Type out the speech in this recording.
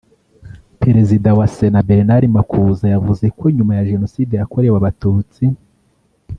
Perezida wa Sena Bernard Makuza yavuze ko nyuma ya Jenoside yakorewe Abatutsi